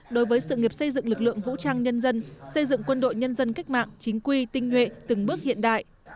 đối với sự nghiệp xây dựng lực lượng vũ trang nhân dân xây dựng quân đội nhân dân cách mạng chính quy tinh nhuệ từng bước hiện đại